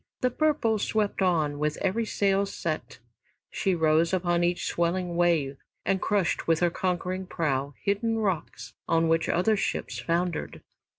"The Purple" swept on, with every sail set, she rose upon each swelling wave and crushed with her conquering prow hidden rocks on which other ships foundered.